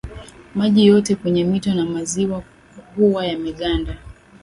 maji yote kwenye mito na maziwa huwa yameganda